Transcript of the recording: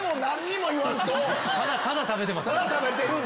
ただ食べてますね。